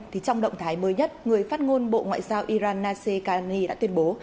trong động thái mới nhất người phát ngôn bộ ngoại giao iran naseh kalani đã tuyên bố